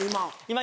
今。